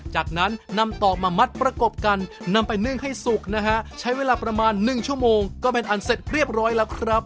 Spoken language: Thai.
จากนั้นนำตอกมามัดประกบกันนำไปนึ่งให้สุกนะฮะใช้เวลาประมาณหนึ่งชั่วโมงก็เป็นอันเสร็จเรียบร้อยแล้วครับ